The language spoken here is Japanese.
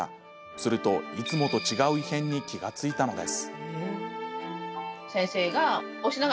すると、いつもと違う異変に気が付いたのです。